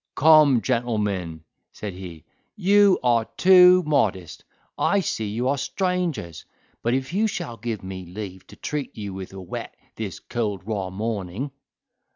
"Come, gentlemen," said he, "you are too modest—I see you are strangers, but you shall give me leave to treat you with a whet this cold raw morning."